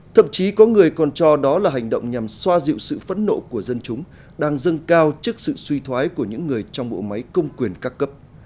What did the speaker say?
thậm chí có người còn cho đó là hành động nhằm xoa dịu sự phẫn nộ của dân chúng đang dâng cao trước sự suy thoái của những người trong bộ máy công quyền các cấp